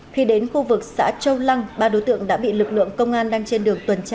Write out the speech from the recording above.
khi đến khu vực xã châu lăng ba đối tượng đã bị lực lượng công an đang trên đường tuần tra